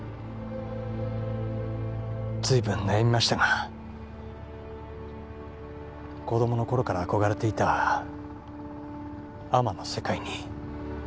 ずいぶん悩みましたが子供のころから憧れていた海女の世界に。